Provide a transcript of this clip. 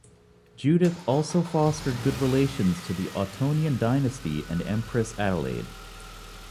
Judith also fostered good relations to the Ottonian dynasty and Empress Adelaide.